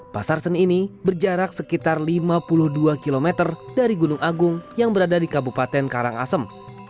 pasar seni ini berjarak sekitar lima puluh dua km dari gunung agung yang berada di kabupaten karangasem